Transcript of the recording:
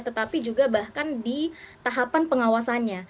tetapi juga bahkan di tahapan pengawasannya